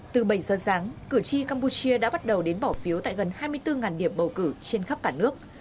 từ bảy giờ sáng cử tri campuchia đã bắt đầu đến bỏ phiếu tại gần hai mươi bốn điểm bầu cử trên khắp cả nước